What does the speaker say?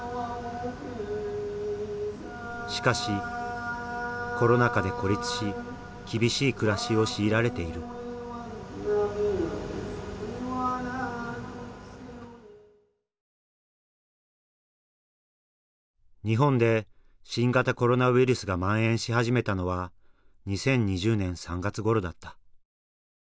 しかしコロナ禍で孤立し厳しい暮らしを強いられている日本で新型コロナウイルスがまん延し始めたのは２０２０年３月ごろだった。